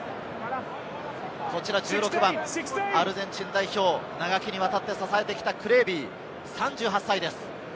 １６番、アルゼンチン代表を長きにわたって支えてきたクレービー・３８歳です。